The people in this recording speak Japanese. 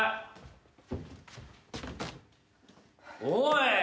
おい！